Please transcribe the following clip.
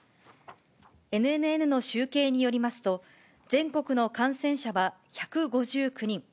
ＮＮＮの集計によりますと、全国の感染者は１５９人。